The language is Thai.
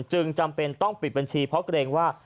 จึงจำเป็นต้องปิดบัญชีเพราะกระเด็งว่า